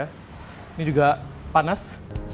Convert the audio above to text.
ini juga panas